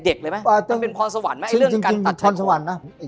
เขาตัดแบบบางเรื่องเป็นผ้อนสวรรค์ไหม